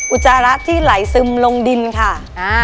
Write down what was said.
อุจจาระที่ไหลซึมลงดินค่ะ